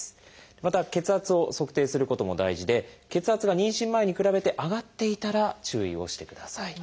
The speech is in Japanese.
また血圧を測定することも大事で血圧が妊娠前に比べて上がっていたら注意をしてください。